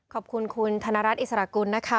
ขอบคุณคุณธนรัฐอิสระกุลนะคะ